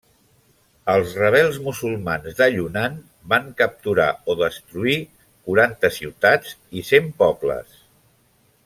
Els rebels musulmans de Yunnan van capturar o destruït quaranta ciutats i cent pobles.